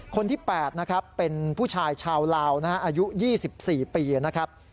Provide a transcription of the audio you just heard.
คนที่แปดเป็นผู้ชายชาวลาวอายุ๒๔ปีนะครับ